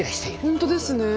本当ですね。